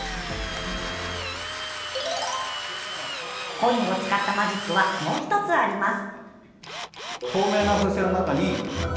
コインを使ったマジックはもう１つあります。